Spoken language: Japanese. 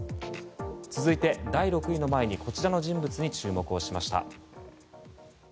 続いて、第６位の前にこちらの人物に注目しました。